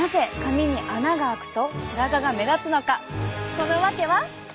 その訳は。